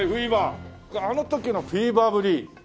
あの時のフィーバーぶり。